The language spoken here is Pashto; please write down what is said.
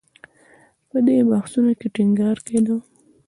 په دې بحثونو کې ټینګار کېده